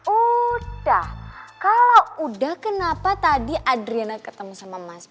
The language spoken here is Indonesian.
udah kalau udah kenapa tadi adriana ketemu sama mas